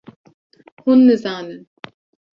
hûn nizanin.